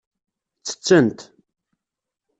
Ttettent.